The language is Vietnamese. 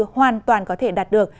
hoàn toàn có thể đạt được